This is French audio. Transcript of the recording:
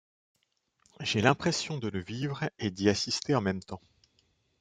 J’ai l’impression de le vivre et d’y assister en même temps.